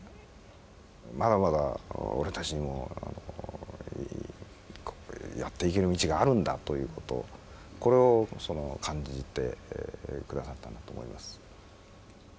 まだまだ俺たちにもやっていける道があるんだということこれを感じて下さったんだと思います。